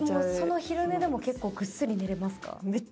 その昼寝でも結構ぐっすり寝れますか？